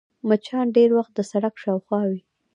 مچان ډېری وخت د سړک شاوخوا وي